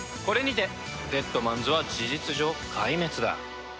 これにてデッドマンズは事実上壊滅だ